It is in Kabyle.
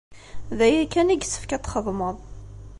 D aya kan i yessefk ad t-txedmeḍ!